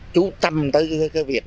chúng tôi đã chú tâm tới cái việc